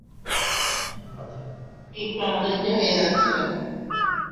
বিক্রম অধৈর্য হয়ে যাচ্ছিল।